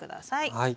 はい。